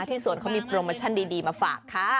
สวนเขามีโปรโมชั่นดีมาฝากค่ะ